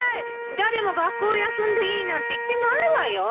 誰も学校を休んでいいなんて言ってないわよ。